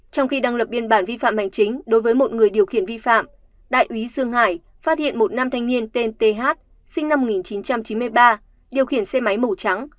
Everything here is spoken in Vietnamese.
trong khi đăng lập biên bản vi phạm hành chính đối với một người điều khiển vi phạm đại úy dương hải phát hiện một nam thanh niên tên th sinh năm một nghìn chín trăm chín mươi ba điều khiển xe máy màu trắng